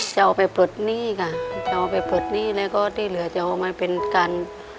จะเอาไปปลดหนี้ค่ะจะเอาไปปลดหนี้แล้วก็ที่เหลือจะเอามาเป็นการ